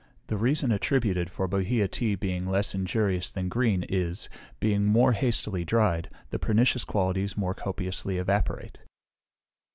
The reason attributed for bohea tea being less injurious than green is, being more hastily dried, the pernicious qualities more copiously evaporate.